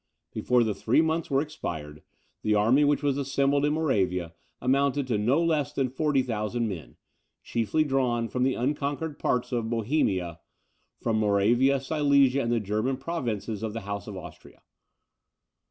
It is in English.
Before the three months were expired, the army which was assembled in Moravia, amounted to no less than 40,000 men, chiefly drawn from the unconquered parts of Bohemia, from Moravia, Silesia, and the German provinces of the House of Austria.